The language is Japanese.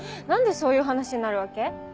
何でそういう話になるわけ？